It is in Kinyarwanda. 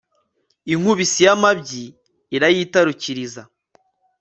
inkubisi y'amabyi irayitarukiriza